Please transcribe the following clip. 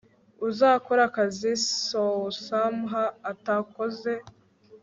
Uzakora akazi Seosamh atakoze